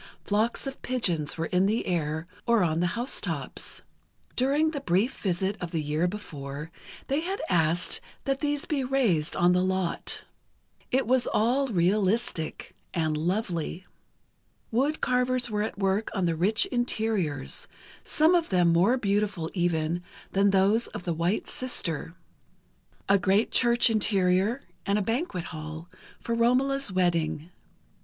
Flocks of pigeons were in the air, or on the house tops. During the brief visit of the year before, they had asked that these be raised on the lot. It was all realistic, and lovely. Wood carvers were at work on the rich interiors, some of them more beautiful, even, than those of "The White Sister": a great church interior, and a banquet hall, for Romola's wedding.